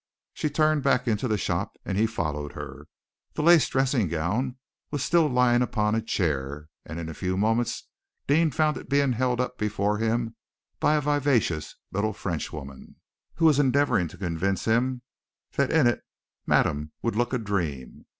She turned back into the shop, and he followed her. The lace dressing gown was still lying upon a chair, and in a few moments Deane found it being held up before him by a vivacious little Frenchwoman, who was endeavoring to convince him that in it Madame would look a dream.